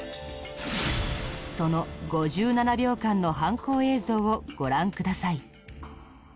その５７秒間の犯行映像をご覧ください。